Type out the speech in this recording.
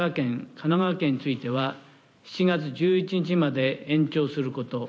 神奈川県については７月１１日まで延長すること。